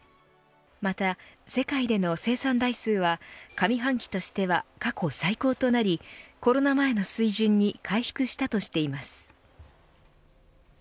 また、世界での生産台数は上半期としては過去最高となりコロナ前の水準に回復したとしています。